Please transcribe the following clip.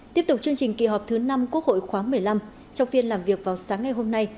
tiếp tục chương trình kỳ họp thứ năm quốc hội khoáng một mươi năm trong phiên làm việc vào sáng ngày hôm nay